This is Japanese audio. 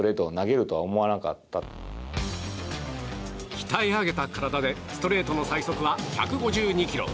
鍛え上げた体でストレートの最速は１５２キロ。